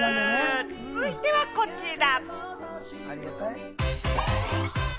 続いてはこちら！